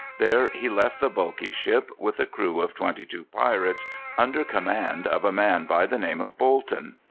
There he left the bulky ship, with a crew of twenty two pirates, under command of a man by the name of Bolton.